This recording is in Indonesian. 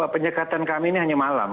penyekatan kami ini hanya malam